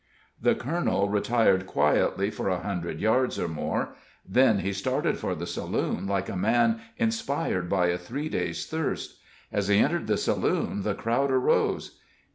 The colonel retired quietly for a hundred yards, or more, then he started for the saloon like a man inspired by a three days' thirst. As he entered the saloon the crowd arose.